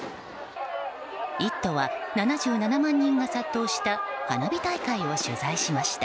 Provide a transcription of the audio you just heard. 「イット！」は７７万人が殺到した花火大会を取材しました。